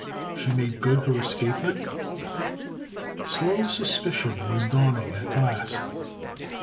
"She made good her escape then?" Slow suspicion was dawning at last.